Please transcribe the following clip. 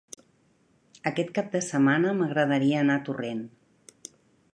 Aquest cap de setmana m'agradaria anar a Torrent.